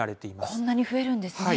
こんなに増えるんですね。